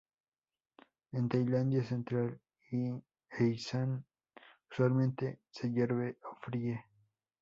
En Tailandia central e Isan usualmente se hierve o fríe.